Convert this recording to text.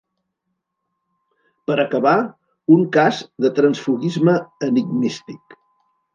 Per acabar, un cas de transfuguisme enigmístic.